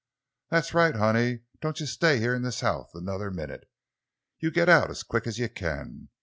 "That's right, honey; doan you stay heah in this house another minit! You git out as quick as you kin.